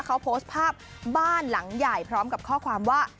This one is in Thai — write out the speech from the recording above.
เขาโพสต์ภาพบ้านหลังใหญ่พร้อมกับข้อความว่า